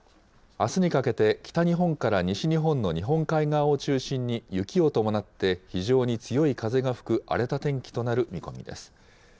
あすにかけて、北日本から西日本の日本海側を中心に、雪を伴って非常に強い風が吹く荒れた天気となる見込みです。